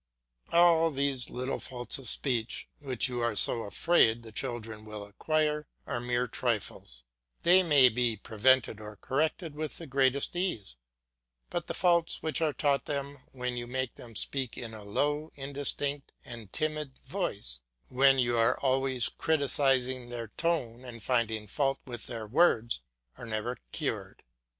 All these little faults of speech, which you are so afraid the children will acquire, are mere trifles; they may be prevented or corrected with the greatest ease, but the faults which are taught them when you make them speak in a low, indistinct, and timid voice, when you are always criticising their tone and finding fault with their words, are never cured.